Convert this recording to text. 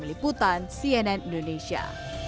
meliputan cnn indonesia